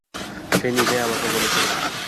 সে নিজেই আমাকে বলেছিল।